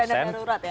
oh dana darurat ya